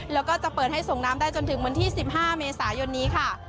แล้วก็จะเปิดให้ส่งน้ำได้จนถึงวันที่๑๕เมษายนนี้ค่ะ